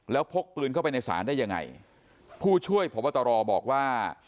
แล้วพกปืนเข้าไปในศาลได้ยังไงผู้ช่วยพบตรบอกว่า